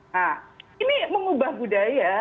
nah ini mengubah budaya